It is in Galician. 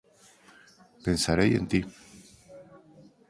Pensarei en ti.